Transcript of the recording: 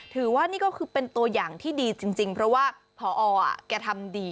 ถือว่านี่ก็คือเป็นตัวอย่างที่ดีจริงเพราะว่าพอแกทำดี